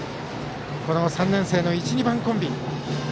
３年生の１、２番コンビ。